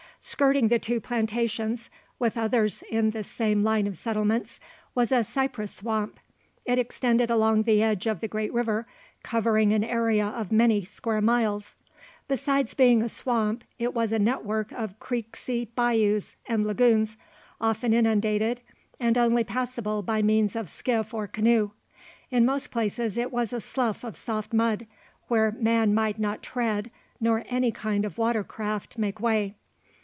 Skirting the two plantations, with others in the same line of settlements, was a cypress swamp. It extended along the edge of the great river, covering an area of many square miles. Besides being a swamp, it was a network of creeksy bayous, and lagoons often inundated, and only passable by means of skiff or canoe. In most places it was a slough of soft mud, where man might not tread, nor any kind of water craft make way.